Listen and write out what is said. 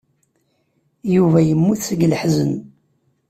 Yuba yemmut seg leḥzen.